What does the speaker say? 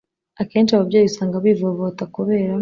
Akenshi ababyeyi usanga bivovota kubera